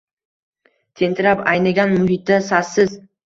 Tentirab aynigan muhitda sassiz